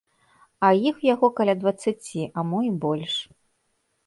А іх у яго каля дваццаці, а мо і больш.